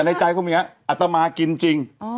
แต่ในใจของมีนะอัตมากินจริง